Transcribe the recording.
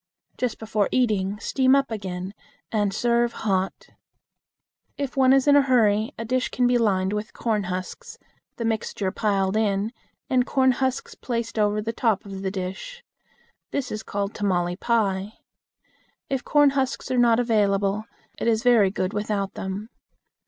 Just before eating, steam up again, and serve hot. If one is in a hurry, a dish can be lined with corn husks, the mixture piled in, and corn husks placed over the top of the dish. This is called "tamale pie." If corn husks are not available, it is very good without them.